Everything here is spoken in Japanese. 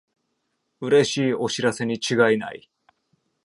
うれしいお知らせにちがいない